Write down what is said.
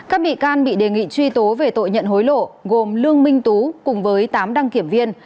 các bị can bị đề nghị truy tố về tội nhận hối lộ gồm lương minh tú cùng với tám đăng kiểm viên